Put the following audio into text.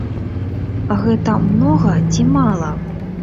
Гэта многа ці мала?